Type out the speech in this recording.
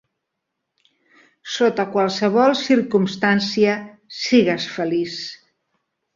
Sota qualsevol circumstància, sigues feliç.